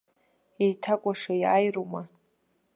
Еиҭакәаша, иааирума!